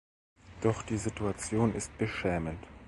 Doch die Situation ist beschämend.